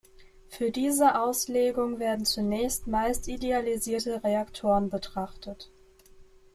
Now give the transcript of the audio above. Für diese Auslegung werden zunächst meist idealisierte Reaktoren betrachtet.